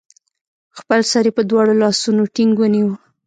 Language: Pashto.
خپل سر يې په دواړو لاسونو ټينګ ونيوه